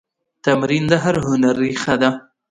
تمرین د هر هنر ریښه ده.